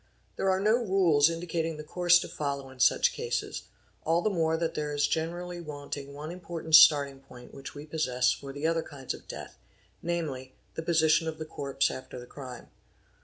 | There are no rules indicating the course to follow in such cases; al the more that there is generally wanting one important starting poir which we possess for the other kinds of death, namely, the position of th corpse after the crime.